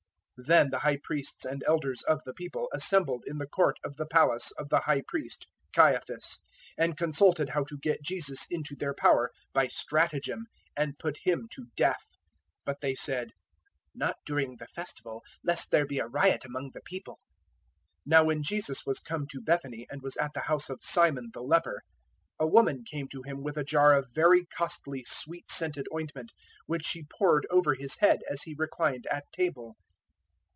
026:003 Then the High Priests and Elders of the People assembled in the court of the palace of the High Priest Caiaphas, 026:004 and consulted how to get Jesus into their power by stratagem and put Him to death. 026:005 But they said, "Not during the Festival, lest there be a riot among the people." 026:006 Now when Jesus was come to Bethany and was at the house of Simon the Leper, 026:007 a woman came to Him with a jar of very costly, sweet scented ointment, which she poured over His head as He reclined at table.